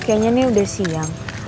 kayaknya ini udah siang